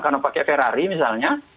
karena pakai ferrari misalnya